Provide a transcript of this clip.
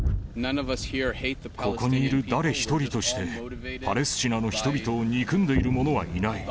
ここにいる誰一人として、パレスチナの人々を憎んでいる者はいない。